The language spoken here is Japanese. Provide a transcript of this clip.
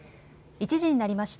１時になりました。